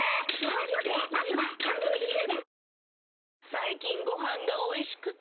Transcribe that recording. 最近ご飯がおいしくて！